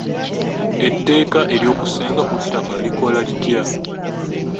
Etteeka ery'okusenga ku ttaka likola litya?